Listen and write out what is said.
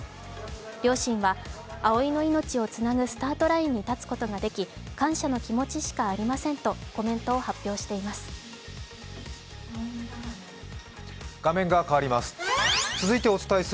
両親は葵の命をつなぐスタートラインに立つことができ感謝の気持ちしかありませんとコメントを発表しています。